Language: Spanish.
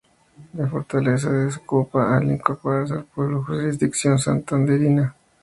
La fortaleza fue desocupada al incorporarse el pueblo a jurisdicción santanderina.